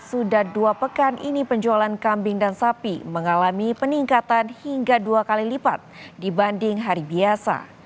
sudah dua pekan ini penjualan kambing dan sapi mengalami peningkatan hingga dua kali lipat dibanding hari biasa